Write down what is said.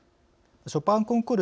ショパンコンクール